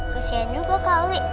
kesian juga kali